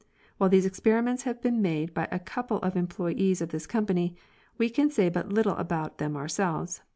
While these experiments have been made by a couple of employés of this company, we can say but little about them ourselves.